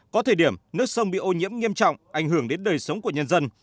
có thời điểm nước sông bị ô nhiễm nghiêm trọng ảnh hưởng đến đời sống của nhân dân